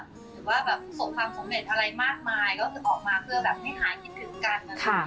หรือว่าส่งความสมเหตุอะไรมากมายก็คือออกมาเพื่อไม่หายคิดถึงกัน